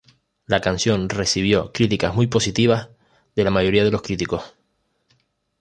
La canción recibió críticas muy positivas de la mayoría de los críticos.